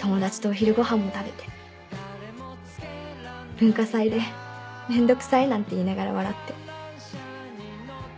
友達とお昼ご飯も食べて文化祭で「面倒くさい」なんて言いながら笑って。